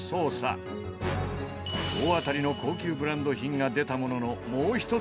大当たりの高級ブランド品が出たものの果たして。